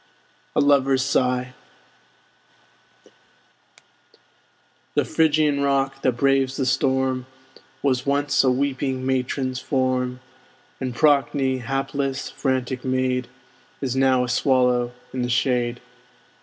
A LOVER'S SIGH The Phrygian rock that braves the storm Was once a weeping matron's form; And Procne, hapless, frantic maid, Is now a swallow in the shade.